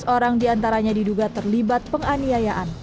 dua belas orang diantaranya diduga terlibat penganiayaan